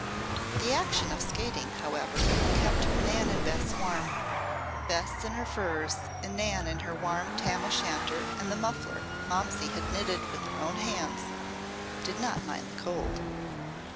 The action of skating, however, kept Nan and Bess warm. Bess in her furs and Nan in her warm tam o' shanter and the muffler Momsey had knitted with her own hands, did not mind the cold.